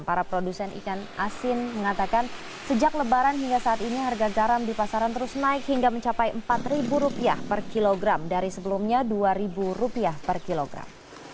para produsen ikan asin mengatakan sejak lebaran hingga saat ini harga garam di pasaran terus naik hingga mencapai rp empat per kilogram dari sebelumnya rp dua per kilogram